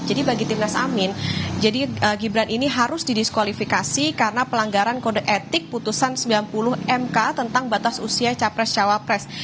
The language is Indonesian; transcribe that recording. jadi bagi timnas amin jadi gibran ini harus didiskualifikasi karena pelanggaran kode etik putusan sembilan puluh mk tentang batas usia capres cawapres